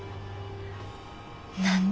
何で？